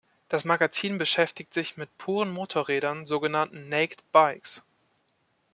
Das Magazin beschäftigt sich mit puren Motorrädern, sogenannten Naked Bikes.